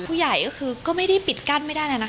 ผู้ใหญ่ก็คือก็ไม่ได้ปิดกั้นไม่ได้แล้วนะคะ